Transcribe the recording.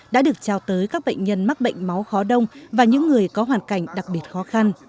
đã được trao tới các bệnh nhân mắc bệnh máu khó đông và những người có hoàn cảnh đặc biệt khó khăn